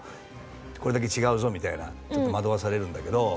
これだけ違うぞみたいなちょっと惑わされるんだけど。